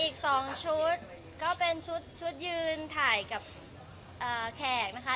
อีก๒ชุดก็เป็นชุดยืนถ่ายกับแขกนะคะ